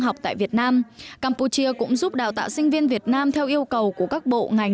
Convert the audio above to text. học tại việt nam campuchia cũng giúp đào tạo sinh viên việt nam theo yêu cầu của các bộ ngành